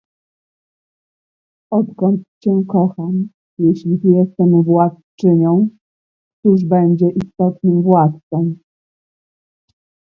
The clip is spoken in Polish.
"Odkąd cię kocham, jeśli tu jestem władczynią, któż będzie istotnym władcą?"